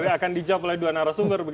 akan dijawab oleh dua narasumber